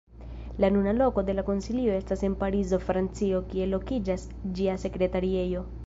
La nuna loko de la Konsilio estas en Parizo, Francio, kie lokiĝas ĝia Sekretariejo.